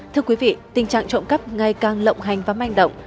thưa quý vị tình trạng trộm cắp ngày càng lộng hành và manh động